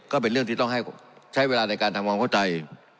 ก็เป็นเรื่องที่ต้องให้ใช้เวลาในการทำความเข้าใจ